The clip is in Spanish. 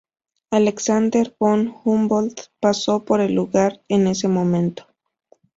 Alexander von Humboldt pasó por el lugar en ese momento.